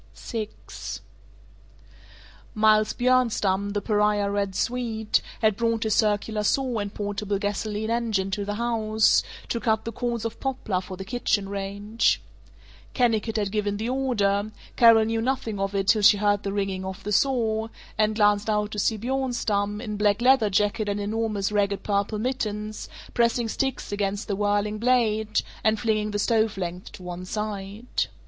VI Miles Bjornstam, the pariah "Red Swede," had brought his circular saw and portable gasoline engine to the house, to cut the cords of poplar for the kitchen range. Kennicott had given the order; Carol knew nothing of it till she heard the ringing of the saw, and glanced out to see Bjornstam, in black leather jacket and enormous ragged purple mittens, pressing sticks against the whirling blade, and flinging the stove lengths to one side.